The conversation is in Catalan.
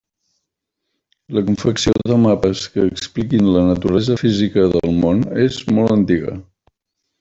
La confecció de mapes que expliquin la naturalesa física del món és molt antiga.